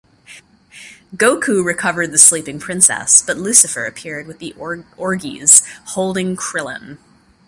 Goku recovered the Sleeping Princess, but Lucifer appeared with the orges, holding Krillin.